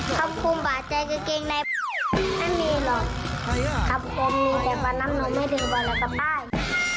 คำคมบาดใจเกรงในไม่มีหรอก